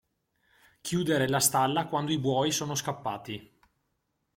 Chiudere la stalla quando i buoi sono scappati.